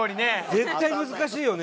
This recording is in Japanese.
絶対難しいよね